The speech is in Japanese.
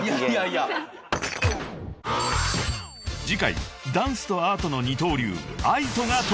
［次回ダンスとアートの二刀流ＡＩＴＯが登場］